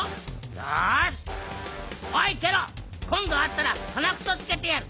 よしおいケロこんどあったらはなくそつけてやる。